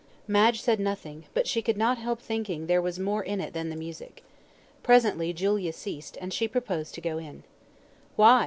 Madge said nothing, but she could not help thinking there was more in it than the music. Presently Julia ceased, and she proposed to go in. "Why?"